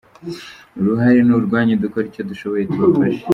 Uruhare ni urwanyu, dukore icyo dushoboye tubafashe.